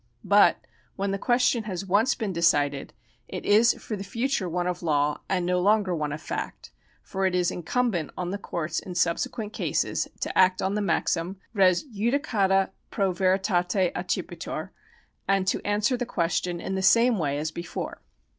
But when the question has once been decided, it is for the future one of law and no longer one of fact ; for it is incumbent on the courts in subsequent cases to act on the maxim Res judicata pro veritate accipitur, and to answer the question in the same way as before.